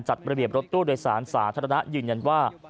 จัดระเบียบรถตู้โดยสารสาธารณะยืนยันว่า